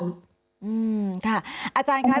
อืมค่ะอาจารย์คะ